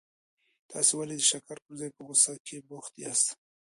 تاسي ولي د شکر پر ځای په غوسه کي بوخت یاست؟